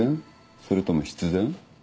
それとも必然？